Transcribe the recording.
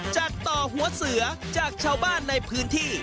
จากต่อหัวเสือจากชาวบ้านในพื้นที่